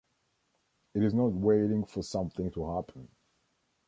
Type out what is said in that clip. It is not waiting for something to happen.